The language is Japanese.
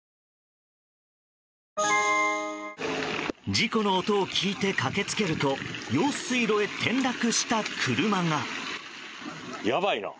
事故の音を聞いて駆けつけると用水路へ転落した車が。